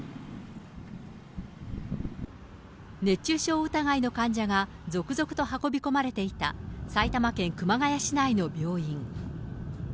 熱中症疑いの患者が、続々と運び込まれていた埼玉県熊谷市内の病院。